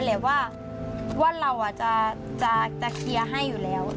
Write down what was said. แหละว่าเราจะเคลียร์ให้อยู่แล้ว